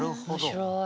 面白い。